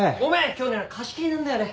今日ね貸し切りなんだよね。